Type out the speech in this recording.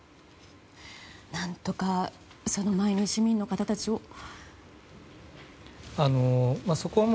何とかその前に市民の方たちを。